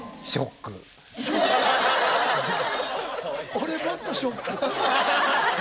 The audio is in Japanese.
俺もっとショック。